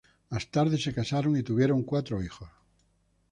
Más tarde se casaron y tuvieron cuatro hijos.